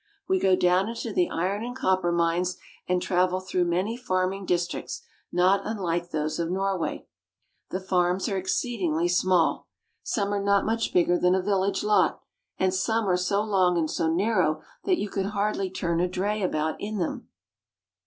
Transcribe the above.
We go down into the iron and copper mines, and travel through many farming districts not unlike those of Norway. The farms are Old Swedish Grain Cart. TRAVELS IN NORWAY AND SWEDEN. :8 5 exceedingly small. Some are not much bigger than a vil lage lot, and some are so long and so narrow that you could hardly turn a dray about in them.